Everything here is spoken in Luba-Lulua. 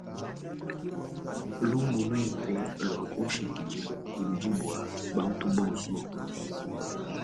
Lumu luimpe lua kunshikidilu ludi bua bantu bonso.